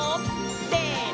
せの！